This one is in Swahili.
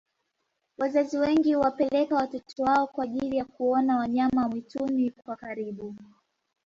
wazazi wengi huwapeleka watoto wao kwa ajiili ya kuona wanyama wa mwituni kwa ukaribu